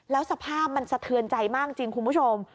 แล้วสภาพมันสะเทือนใจมากจริงคุณผู้ชม